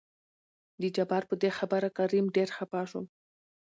د جبار په دې خبره کريم ډېر خپه شو.